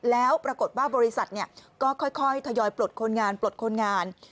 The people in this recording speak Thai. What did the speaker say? แล้วปรากฏว่าบริษัทก็ค่อยทยอยปลดคนงาน